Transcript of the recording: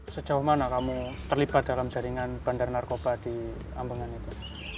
sejauh mana kamu terlibat dalam jaringan bandar narkoba di ambangan itu